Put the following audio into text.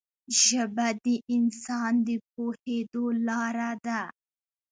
ژبه د انسان د پوهېدو لاره ده